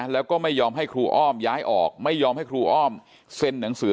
แล้วก็ไม่ยอมให้ครูอ้อมย้ายออกไม่ยอมให้ครูอ้อมเซ็นหนังสือ